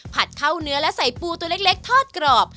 เข้าเนื้อและใส่ปูตัวเล็กทอดกรอบ